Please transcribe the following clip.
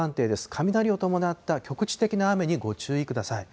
雷を伴った局地的な雨にご注意ください。